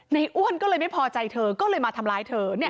อ้วนก็เลยไม่พอใจเธอก็เลยมาทำร้ายเธอ